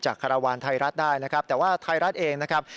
คาราวานไทยรัฐได้นะครับแต่ว่าไทยรัฐเองนะครับ